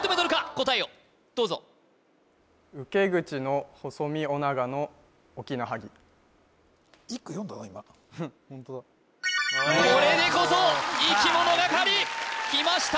答えをどうぞこれでこそいきものがかりきました